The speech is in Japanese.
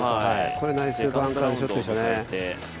これはナイスバンカーショットでしたね。